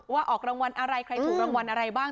ออกรางวัลอะไรใครถูกรางวัลอะไรบ้าง